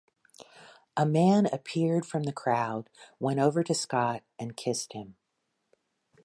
A man appeared from the crowd went over to Scott and kissed him.